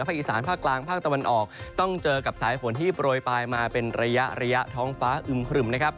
อีสานภาคกลางภาคตะวันออกต้องเจอกับสายฝนที่โปรยปลายมาเป็นระยะระยะท้องฟ้าอึมครึมนะครับ